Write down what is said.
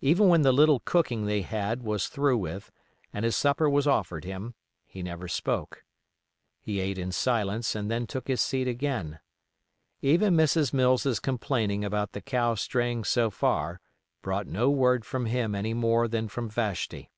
Even when the little cooking they had was through with and his supper was offered him, he never spoke. He ate in silence and then took his seat again. Even Mrs. Mills's complaining about the cow straying so far brought no word from him any more than from Vashti.